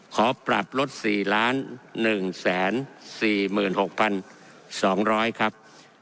ขอปรับลด๔๑๔๖๒๐๐ครับ